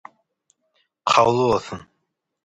Kabul bolsun.